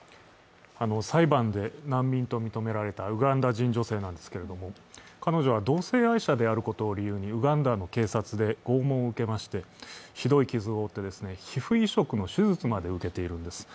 裁判で難民と認められたウガンダ人女性なんですけど、彼女は同性愛者であることを理由にウガンダの警察で拷問を受けまして、ひどい傷を負って皮膚移植の手術まで受けているんです。